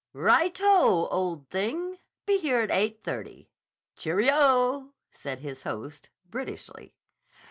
"Right o, old thing! Be here at eight thirty. Cheery o!" said his host Britishly.